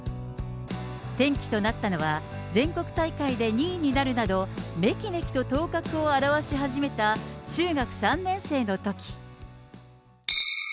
転機となったのは、全国大会で２位になるなど、めきめきと頭角を現し始めた中学３年生のとき。